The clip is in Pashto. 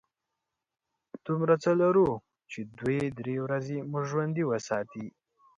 دومره څه لرو چې دوې – درې ورځې مو ژوندي وساتي.